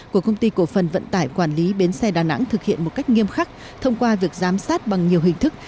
của công ty cổ phần vận tải quản lý bến xe đà nẵng thực hiện một cách nghiêm khắc thông qua việc giám sát bằng nhiều hình thức